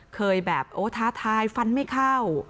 เคยแบบโอ้ท้าทายฟันไม่เข้า